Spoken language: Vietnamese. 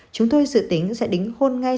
chúng tôi dự tính sẽ đính hôn ngay